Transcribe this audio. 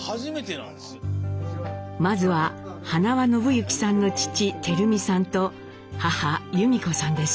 まずは塙宣之さんの父輝美さんと母由美子さんです。